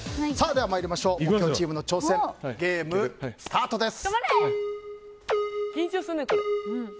参りましょう、木曜チームの挑戦ゲームスタートです。